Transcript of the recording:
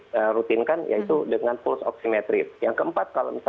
pertama saya berulator untuk mau tegak terhadap oppo akan lainnya